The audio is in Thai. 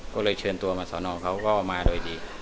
ก็เลยเชิญตัวมาสอนอเขาก็มาโดยดี